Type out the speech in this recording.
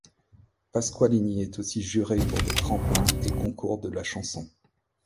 Pasqualini est aussi juré pour des tremplins et concours de la chanson.